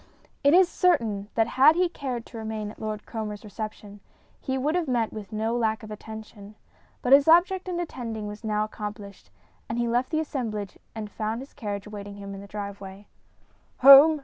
It is certain that had he cared to remain at Lord Cromer's reception, he would have met with no lack of attention; but his object in attending was now accomplished, and he left the assemblage and found his carriage awaiting him in the driveway. "Home!"